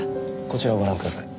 こちらをご覧ください。